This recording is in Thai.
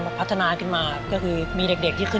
นอกจากนักเตะรุ่นใหม่จะเข้ามาเป็นตัวขับเคลื่อนทีมชาติไทยชุดนี้แล้ว